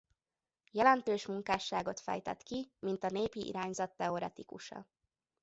Jelentős munkásságot fejtett ki mint a népi irányzat teoretikusa.